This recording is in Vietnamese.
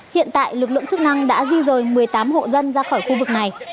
hiện tại lực lượng chức năng đã di rời một mươi tám hộ dân ra khỏi khu vực này